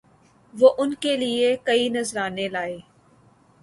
وہ ان کے لیے کئی نذرانے لائے